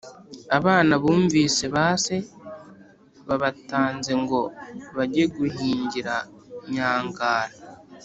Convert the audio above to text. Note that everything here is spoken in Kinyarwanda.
abana bumvise ba se babatanze ngo bajye guhingira nyangara,